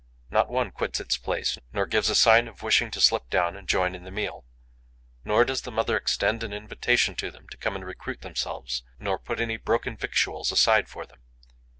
Not one quits its place nor gives a sign of wishing to slip down and join in the meal. Nor does the mother extend an invitation to them to come and recruit themselves, nor put any broken victuals aside for them.